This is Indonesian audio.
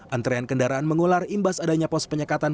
antrean kendaraan mengular imbas adanya pos penyekatan